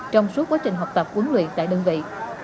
trong suốt quá trình học tập quấn luyện tại đơn vị